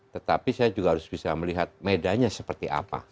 tetapi saya juga harus bisa melihat medanya seperti apa